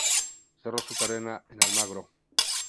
Cerró su carrera en Almagro.